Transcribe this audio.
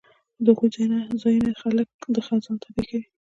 د هغو ځایونو خلک د ځان تابع کوي